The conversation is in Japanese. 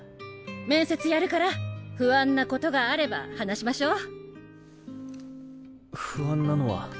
面接やるから不安なことがあれば話しましょう。